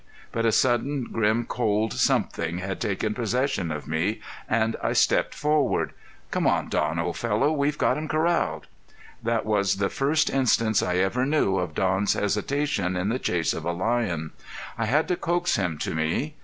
But a sudden, grim, cold something had taken possession of me, and I stepped forward. "Come on, Don, old fellow, we've got him corralled." That was the first instance I ever knew of Don's hesitation in the chase of a lion. I had to coax him to me.